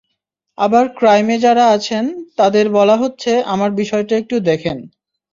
আবার ক্রাইমে যাঁরা আছেন, তাঁদের বলা হচ্ছে আমার বিষয়টা একটু দেখেন।